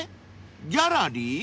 ギャラリー？］